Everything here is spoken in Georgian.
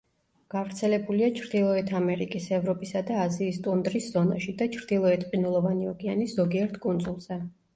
გავრცელებულია ჩრდილოეთ ამერიკის, ევროპისა და აზიის ტუნდრის ზონაში და ჩრდილოეთ ყინულოვანი ოკეანის ზოგიერთ კუნძულზე.